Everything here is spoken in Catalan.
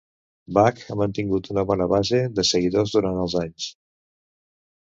Bach ha mantingut una bona base de seguidors durant els anys.